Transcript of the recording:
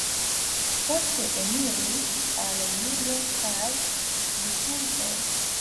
Poste eniris al Juro kaj Justeco.